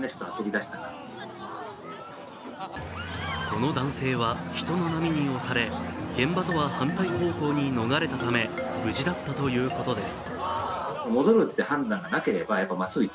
この男性は人の波に押され現場とは反対方向に逃れたため、無事だったということです。